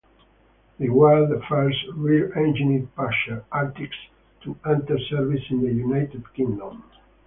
They were the first rear-engined 'pusher' artics to enter service in the United Kingdom.